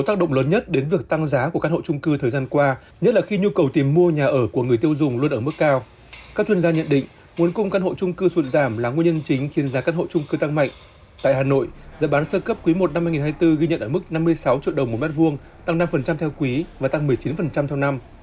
tại hà nội giá bán sơ cấp quý i năm hai nghìn hai mươi bốn ghi nhận ở mức năm mươi sáu triệu đồng một mét vuông tăng năm theo quý và tăng một mươi chín theo năm